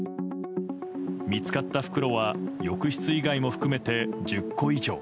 見つかった袋は浴室以外も含めて１０個以上。